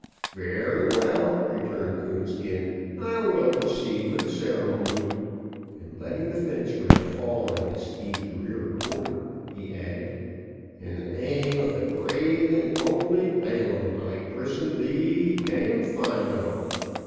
"Very well," returned Coonskin, "I will proceed with the ceremony." And letting the fence rail fall on his steed's rear quarter, he added, "In the name of the great and only Balaam, I christen thee Damfino."